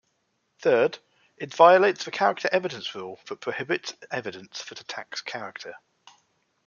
Third, it violates the character evidence rule that prohibits evidence that attacks character.